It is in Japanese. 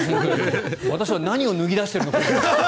私は何を脱ぎ出したのかと。